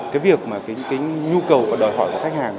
cái việc mà cái nhu cầu và đòi hỏi của khách hàng